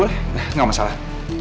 boleh boleh gak masalah